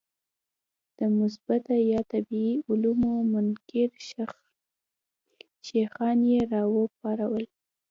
د مثبته یا طبیعي علومو منکر شیخان یې راوپارول.